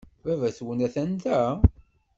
Baba-twent atan da?